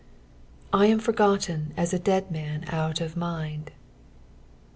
"i am foryaUen a» a dead man out of mind."